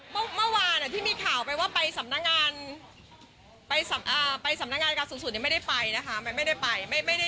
เมื่อวานที่มีข่าวไปว่าไปสำนักงานสูงสุดยังไม่ได้ไป